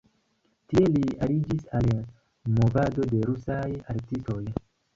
Tie li aliĝis al movado de rusaj artistoj.